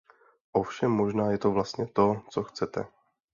Ovšem možná je to vlastně to, co chcete.